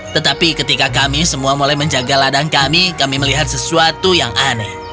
tetapi ketika kami semua mulai menjaga ladang kami kami melihat sesuatu yang aneh